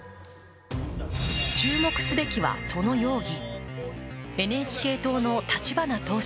注目すべきはその容疑。